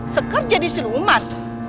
sekar jadi siluman